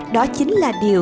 đó chính là điều